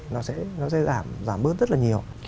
nó sẽ giảm bớt rất là nhiều